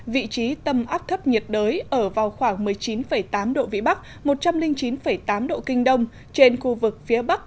vị trí tâm áp thấp nhiệt đới ở vào khoảng một mươi chín tám độ vĩ bắc một trăm linh chín tám độ kinh đông trên khu vực phía bắc